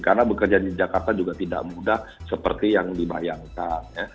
karena bekerja di jakarta juga tidak mudah seperti yang dibayangkan